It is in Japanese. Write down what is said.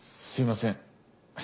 すみません